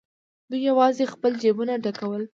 دوی یوازې خپل جېبونه ډکول.